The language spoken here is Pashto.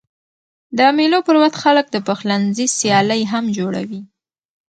د مېلو پر وخت خلک د پخلنځي سیالۍ هم جوړوي.